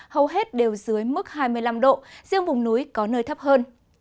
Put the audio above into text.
hầu hết đều dưới mức hai mươi năm độ riêng vùng núi có nơi thấp hơn